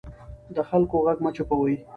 د خلکو غږ مه چوپوئ